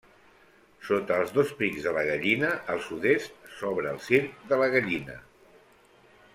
Sota els dos pics de la Gallina, al sud-est, s'obre el Circ de la Gallina.